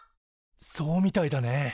そうみたいだね！